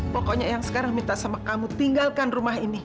pokoknya sekarang saya minta kamu tinggalkan rumah ini